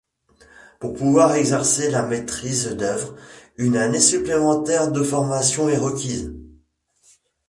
Pour pouvoir exercer la maîtrise d’œuvre, une année supplémentaire de formation est requise.